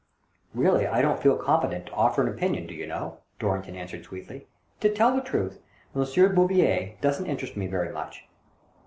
" "Keally, I don't feel competent to offer an opinion, do you know," Dorrington answered sweetly. " To tell the truth, M. Bouvier doesn't interest me very much."